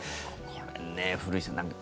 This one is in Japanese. これね、古市さん